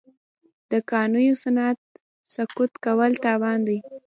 د قالینو صنعت سقوط کول تاوان دی.